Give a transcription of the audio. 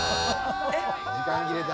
時間切れだ。